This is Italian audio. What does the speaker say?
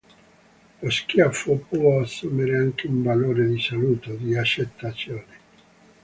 Lo schiaffo può assumere anche un valore di saluto, di accettazione.